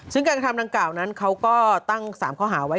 ซึ่งการกระทำดังกล่าวนั้นเขาก็ตั้ง๓ข้อหาไว้